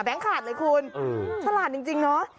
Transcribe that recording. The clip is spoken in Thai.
อ๋อแบงค์ขาดเลยคุณตลาดจริงเนอะ